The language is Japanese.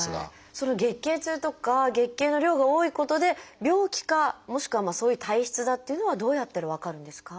その月経痛とか月経の量が多いことで病気かもしくはそういう体質だっていうのはどうやったら分かるんですか？